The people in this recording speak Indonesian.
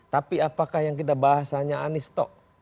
tapi apakah yang kita bahas hanya anies toh